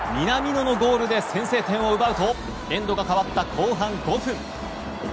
南野のゴールで先制点を奪うとエンドが変わった後半５分。